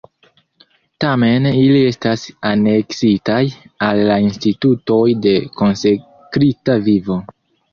Tamen ili estas aneksitaj al la institutoj de konsekrita vivo.